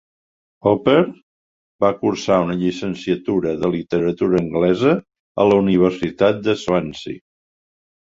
Hooper va cursar una llicenciatura de Literatura anglesa a la Universitat de Swansea.